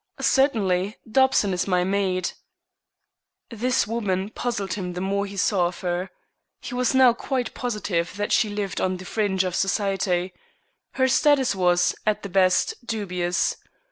"Certainly. Dobson is my maid." This woman puzzled him the more he saw of her. He was now quite positive that she lived on the fringe of Society. Her status was, at the best, dubious.